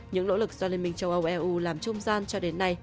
những nỗ lực do liên minh châu âu eu làm trung gian cho đến nay